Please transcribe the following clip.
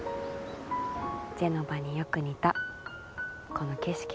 「ジェノヴァによく似たこの景色を」